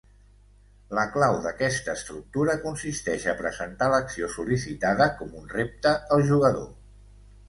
La clau d’aquesta estructura consisteix a presentar l’acció sol·licitada com un repte al jugador.